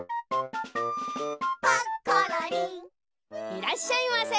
いらっしゃいませ。